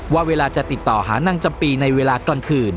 ว่าเวลาจะติดต่อหานางจำปีในเวลากลางคืน